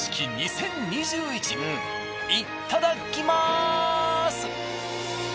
いっただっきます！